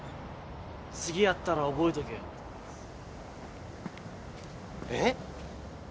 次会ったら覚えとけえっ？